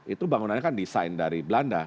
itu bangunannya kan desain dari belanda